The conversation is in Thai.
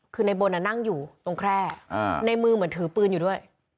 คือในบนนั่งอยู่ตรงแคร่ในมือเหมือนถือปืนอยู่ด้วย